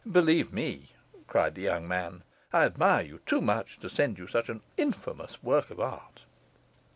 'Believe me,' cried the young man, 'I admire you too much to send you such an infamous work of art..